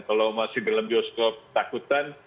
kalau masih dalam bioskop takutan